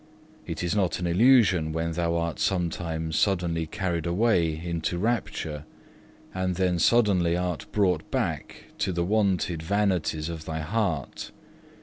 It is not an illusion when thou art sometimes suddenly carried away into rapture, and then suddenly art brought back to the wonted vanities of thy heart.